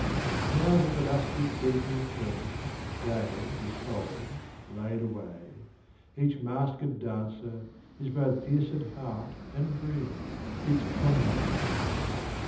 Now that the dusty, creaking curtain, Day Is folded, laid away, Each masked dancer is both pierced Heart And Dream, its poniard.